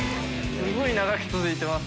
すごい長く続いてます。